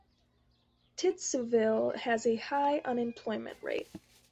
Titusville has a high unemployment rate.